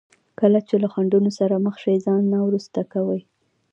کله چې له خنډونو سره مخ شي ځان نه وروسته کوي.